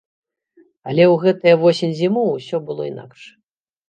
Але ў гэтыя восень-зіму ўсё было інакш.